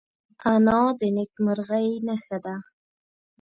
انا د نیکمرغۍ نښه ده